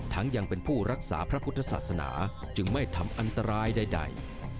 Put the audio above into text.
ยังเป็นผู้รักษาพระพุทธศาสนาจึงไม่ทำอันตรายใด